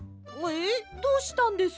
えっどうしたんです！？